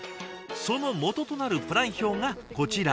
その基となるプラン表がこちら。